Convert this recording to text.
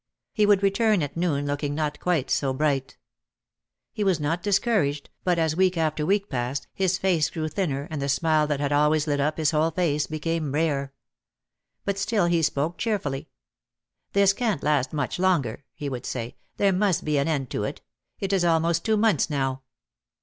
He would return at noon looking not quite so bright. He was not discour aged, but as week after week passed, his face grew thinner and the smile that had always lit up his whole face became rare. But still he spoke cheerfully. "This can't last much longer," he would say. "There must be an end to it. It is almost two months now."